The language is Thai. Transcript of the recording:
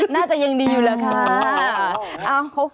น่าจะยังดีอยู่แล้วค่ะ